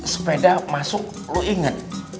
sepeda masuk lu inget